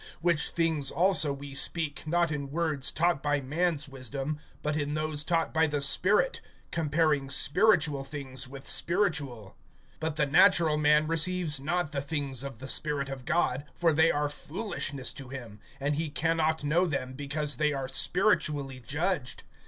(13)Which things also we speak, not in words taught by man's wisdom, but in those taught by the Spirit; comparing spiritual things with spiritual[2:13]. (14)But the natural man receives not the things of the Spirit of God, for they are foolishness to him; and he can not know them, because they are spiritually judged.